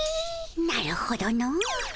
なるほどの。